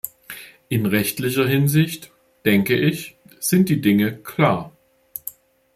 In rechtlicher Hinsicht, denke ich, sind die Dinge klar.